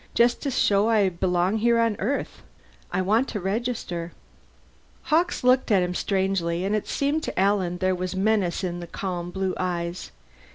Just to show I belong here on Earth. I want to register." Hawkes looked at him strangely, and it seemed to Alan there was menace in the calm blue eyes.